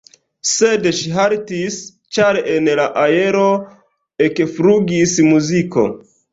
Sed ŝi haltis, ĉar en la aero ekflugis muziko.